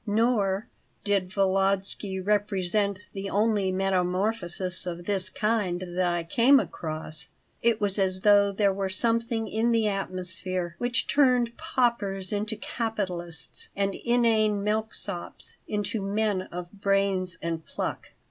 Nor did Volodsky represent the only metamorphosis of this kind that I came across. It was as though there were something in the atmosphere which turned paupers into capitalists and inane milksops into men of brains and pluck.